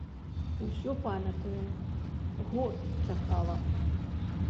Усё памятаю, год чакала.